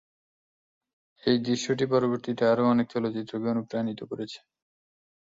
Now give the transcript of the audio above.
এই দৃশ্যটি পরবর্তীতে আরও অনেক চলচ্চিত্রকে অনুপ্রাণিত করেছে।